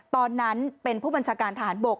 ตอนนั้นเป็นผู้บัญชาการทหารบก